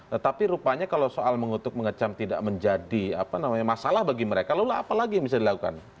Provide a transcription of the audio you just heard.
tetapi rupanya kalau soal mengutuk mengecam tidak menjadi masalah bagi mereka lalu apa lagi yang bisa dilakukan